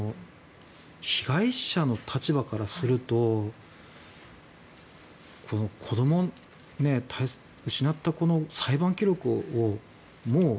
被害者の立場からすると子どもを失った裁判記録をもう。